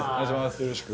よろしく。